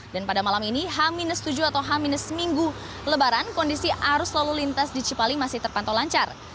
dan pada malam ini h tujuh atau h minggu lebaran kondisi arus lalu lintas di cipali masih terpantau lancar